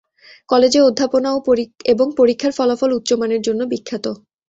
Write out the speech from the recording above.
কলেজে অধ্যাপনা এবং পরীক্ষার ফলাফল উচ্চ মানের জন্য বিখ্যাত।